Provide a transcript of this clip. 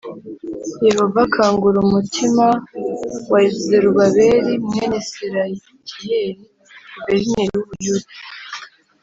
Yehova akangura umutimah wa zerubabeli mwene salatiyeli guverineri w u buyuda